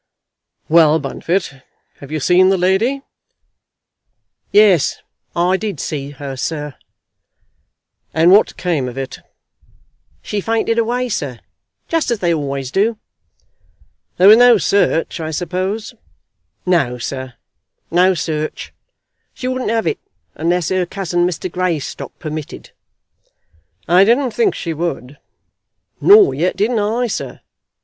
"Well, Bunfit, have you seen the lady?" "Yes, I did see her, sir." "And what came of it?" "She fainted away, sir just as they always do." "There was no search, I suppose?" "No, sir; no search. She wouldn't have it, unless her cousin, Mr. Greystock, permitted." "I didn't think she would." "Nor yet didn't I, sir.